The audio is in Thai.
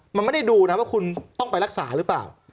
มันไม่ได้ดูนะว่าคุณต้องไปรักษาหรือเปล่า